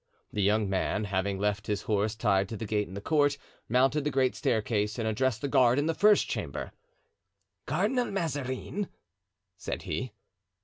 The young man having left his horse tied to the gate in the court, mounted the great staircase and addressed the guard in the first chamber. "Cardinal Mazarin?" said he.